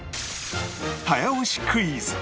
早押しクイズ！